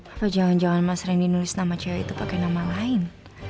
apa jangan jangan mas reni nulis nama cewek itu pakai nama lain